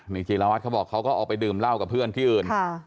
นี่จีรวัตรเขาบอกเขาก็ออกไปดื่มเหล้ากับเพื่อนที่อื่น